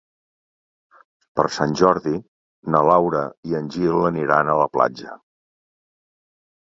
Per Sant Jordi na Laura i en Gil aniran a la platja.